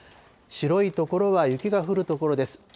白い所は雪が降る所です。